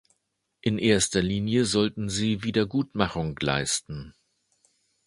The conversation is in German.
In erster Linie sollten sie Wiedergutmachung leisten.